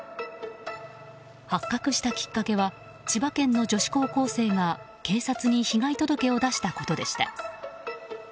発覚したきっかけは千葉県の女子高校生が警察に被害届を出したことでした。